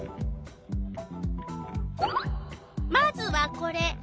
まずはこれ。